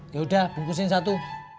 yaudah bungkusin satu